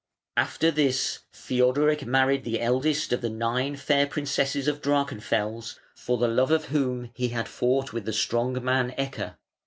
After this Theodoric married the eldest of the nine fair princesses of Drachenfels, for the love of whom he had fought with the strong man Ecke.